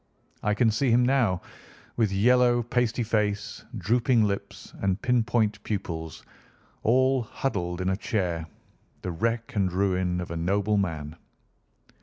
I can see him now, with yellow, pasty face, drooping lids, and pin point pupils, all huddled in a chair, the wreck and ruin of a noble man.